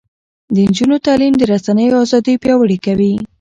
د نجونو تعلیم د رسنیو ازادي پیاوړې کوي.